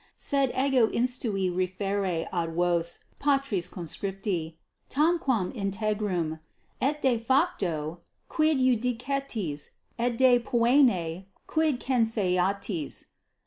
Sed ego institui referre ad vos, patres conscripti, tamquam 6 integrum, et de facto quid iudicetis et de poena quid censeatis.